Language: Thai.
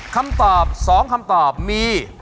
คำตอบ๒คำตอบมี